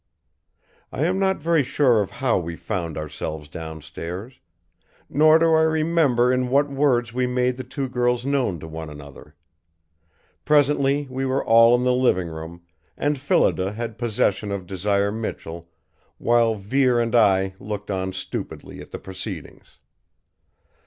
I am not very sure of how we found ourselves downstairs. Nor do I remember in what words we made the two girls known to one another. Presently we were all in the living room, and Phillida had possession of Desire Michell while Vere and I looked on stupidly at the proceedings.